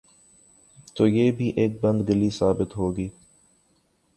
تو یہ بھی ایک بند گلی ثابت ہو گی۔